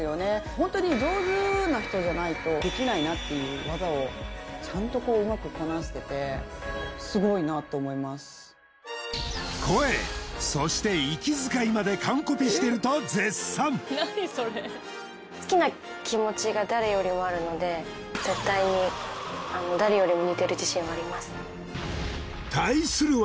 ホントに上手な人じゃないとできないなっていう技をちゃんとこううまくこなしてて声そして息づかいまで完コピしてると絶賛好きな気持ちが誰よりもあるので似てる自信はあります対するは